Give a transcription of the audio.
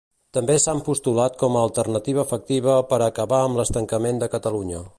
També s'han postulat com a alternativa efectiva per a acabar amb l'estancament de Catalunya.